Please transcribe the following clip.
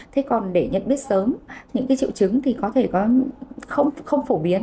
thế còn để nhận biết sớm những cái triệu chứng thì có thể không phổ biến